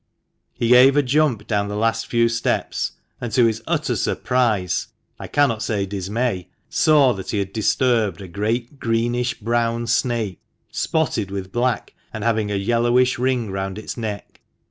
He gave a jump down the last few steps, and to his utter surprise, I cannot say dismay, saw that he had disturbed a great greenish brown snake, spotted with black and having a yellowish ring round its neck.